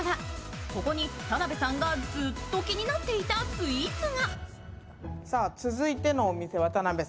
ここに田辺さんがずっと気になっていたスイーツが。